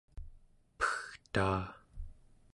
pegtaa